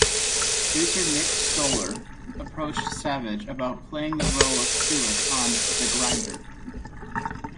Producer Nick Stoller approached Savage about playing the role of Stewart on "The Grinder".